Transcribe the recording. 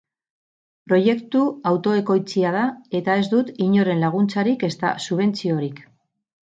Proiektu autoekoitzia da eta ez dut inoren laguntzarik ezta subentziorik.